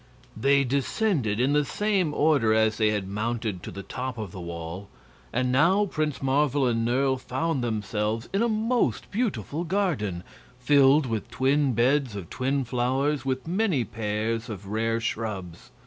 They descended in the same order as they had mounted to the top of the wall, and now Prince Marvel and Nerle found themselves in a most beautiful garden, filled with twin beds of twin flowers, with many pairs of rare shrubs.